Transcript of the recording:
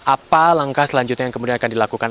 apa langkah selanjutnya yang kemudian akan dilakukan